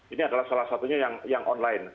ini adalah salah satunya yang online